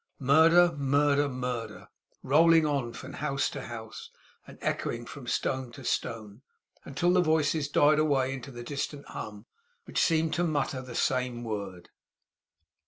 Murder, Murder, Murder. Rolling on from house to house, and echoing from stone to stone, until the voices died away into the distant hum, which seemed to mutter the same word!